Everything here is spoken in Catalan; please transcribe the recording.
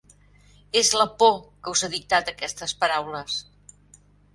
És la por, que us ha dictat aquestes paraules!